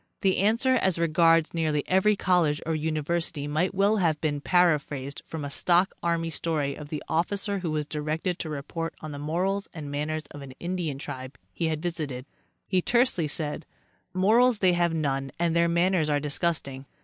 The answer as regards nearly every college or university might well have been paraphrased from a stock army story of the officer who was directed to report on the morals and manners of an Indian tribe he had visited. He tersely said: " Morals they have none and their manners are disgusting."